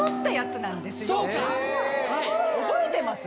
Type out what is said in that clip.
覚えてます？